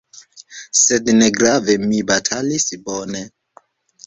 Sed negrave: mi batalis bone.